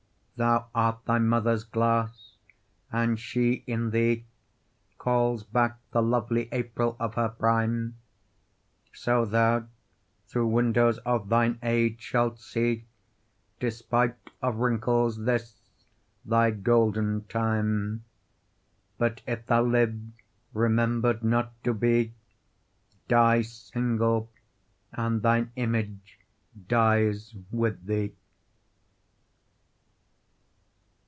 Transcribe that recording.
Thou art thy mother's glass and she in thee Calls back the lovely April of her prime; So thou through windows of thine age shalt see, Despite of wrinkles this thy golden time. But if thou live, remember'd not to be, Die single and thine image dies with thee.